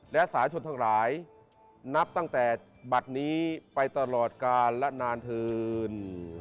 และสาชนทั้งหลายนับตั้งแต่บัตรนี้ไปตลอดกาลและนานเถิน